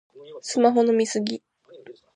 スマホの見過ぎ